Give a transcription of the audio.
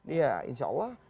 ya insya allah